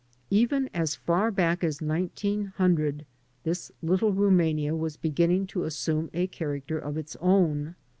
Even as far back as 1900 this Little Rumania was beginning to assume a character of its own.